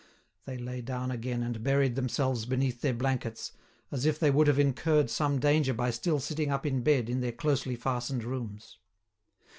They lay down again and buried themselves beneath their blankets, as if they would have incurred some danger by still sitting up in bed in their closely fastened rooms.